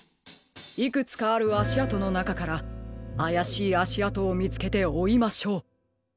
いくつかあるあしあとのなかからあやしいあしあとをみつけておいましょう。